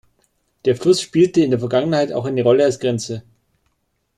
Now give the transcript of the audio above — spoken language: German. Der Fluss spielte in der Vergangenheit auch eine Rolle als Grenze.